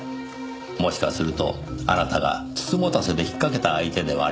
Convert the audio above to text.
もしかするとあなたが美人局で引っかけた相手ではありませんか？